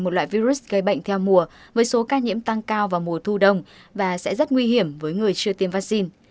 một loại virus gây bệnh theo mùa với số ca nhiễm tăng cao vào mùa thu đông và sẽ rất nguy hiểm với người chưa tiêm vaccine